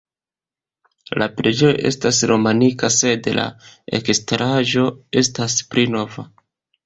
La preĝejo estas romanika sed la eksteraĵo estas pli nova.